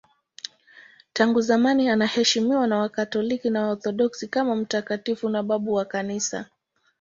Tangu zamani anaheshimiwa na Wakatoliki na Waorthodoksi kama mtakatifu na babu wa Kanisa.